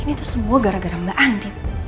ini tuh semua gara gara mbak andi